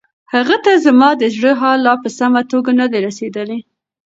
هغې ته زما د زړه حال لا په سمه توګه نه دی رسیدلی.